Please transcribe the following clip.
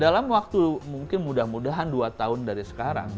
dalam waktu mungkin mudah mudahan dua tahun dari sekarang